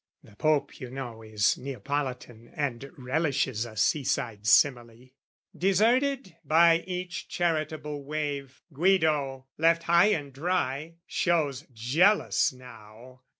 (The Pope, you know, is Neapolitan And relishes a sea side simile.) Deserted by each charitable wave, Guido, left high and dry, shows jealous now!